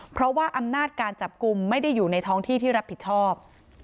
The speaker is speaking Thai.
เพราะว่าอำนาจการจับกลุ่มไม่ได้อยู่ในท้องที่ที่รับผิดชอบ